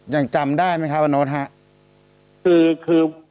อย่างจำได้มั้ยคะอันนทครับ